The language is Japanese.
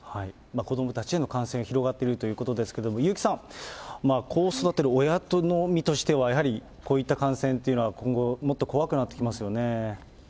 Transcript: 子どもたちへの感染が広がっているということですけれども、優木さん、子を育てる親の身としては、やはり、こういった感染というのは今後、もっと怖くなってきますよね。